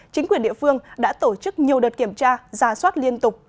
chính quyền địa phương đã tổ chức nhiều đợt kiểm tra ra soát liên tục